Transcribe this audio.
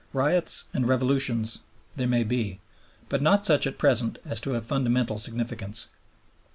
Riots and revolutions there may be, but not such, at present, as to have fundamental significance.